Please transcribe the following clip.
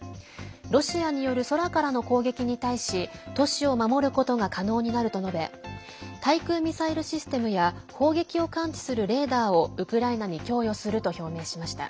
ロシアによる空からの攻撃に対し都市を守ることが可能になると述べ対空ミサイルシステムや砲撃を感知するレーダーをウクライナに供与すると表明しました。